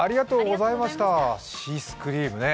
シースクリームね。